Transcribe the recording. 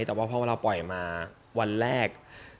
แต่ว่าพอเวลาปล่อยมาวันแรก